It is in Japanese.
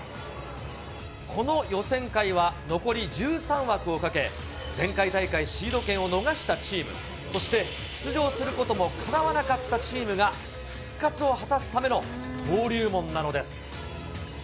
この予選会は残り１３枠をかけ、前回大会シード権を逃したチーム、そして出場することもかなわなかったチームが、復活を果たすための登竜門なのです。